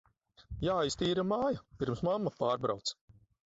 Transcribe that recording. Jāiztīra māja, pirms mamma pārbrauc.